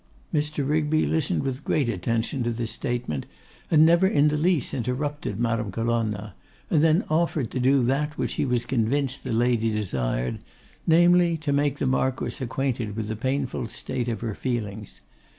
Mr. Rigby listened with great attention to this statement, and never in the least interrupted Madame Colonna; and then offered to do that which he was convinced the lady desired, namely, to make the Marquess acquainted with the painful state of her feelings.